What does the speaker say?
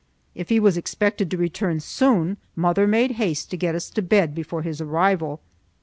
If he was expected to return soon, mother made haste to get us to bed before his arrival.